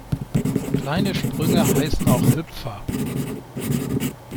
Kleine Sprünge heißen auch "Hüpfer".